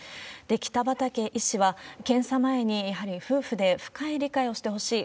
で、北畠医師は、検査前に、やはり夫婦で深い理解をしてほしい。